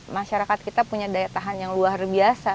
masyarakat kita punya daya tahan yang luar biasa